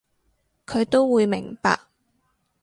佢都會明白